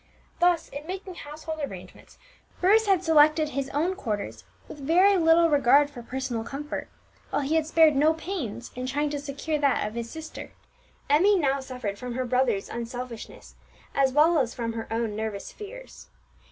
Thus, in making household arrangements, Bruce had selected his own quarters with very little regard to personal comfort, while he had spared no pains in trying to secure that of his sister. Emmie now suffered from her brother's unselfishness, as well as from her own nervous fears.